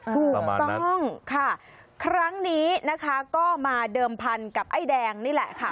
ถูกต้องค่ะครั้งนี้นะคะก็มาเดิมพันกับไอ้แดงนี่แหละค่ะ